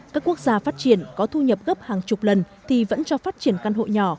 các quốc gia phát triển có thu nhập gấp hàng chục lần thì vẫn cho phát triển căn hộ nhỏ